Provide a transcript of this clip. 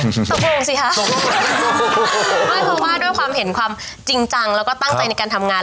ตะโพงสิคะไม่เพราะว่าด้วยความเห็นความจริงจังแล้วก็ตั้งใจในการทำงาน